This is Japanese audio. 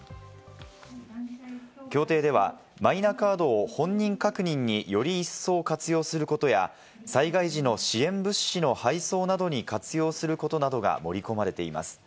協定では、マイナカードを本人確認により一層活用することや、災害時の支援物資の配送などに活用することなどが盛り込まれています。